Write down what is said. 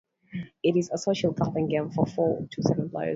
It is a social gambling game for four to seven players.